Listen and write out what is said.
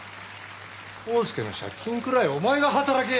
コースケの借金くらいお前が働け！